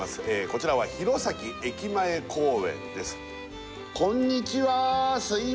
こちらは弘前駅前公園です